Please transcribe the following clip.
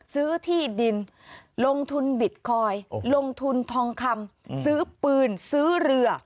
ซื้อที่ดินลงทุนบิตคอยน์ลงทุนทองคำซื้อปืนซื้อเรือ